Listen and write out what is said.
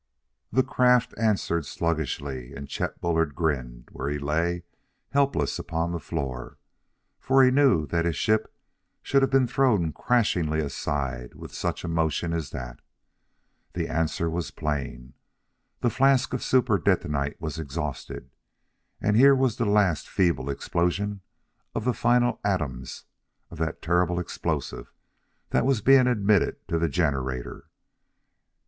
The craft answered sluggishly, and Chet Bullard grinned where he lay helpless upon the floor; for he knew that his ship should have been thrown crashingly aside with such a motion as that. The answer was plain: the flask of super detonite was exhausted; here was the last feeble explosion of the final atoms of the terrible explosive that was being admitted to the generator.